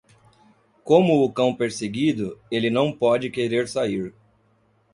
Como o cão perseguido, ele não pode querer sair.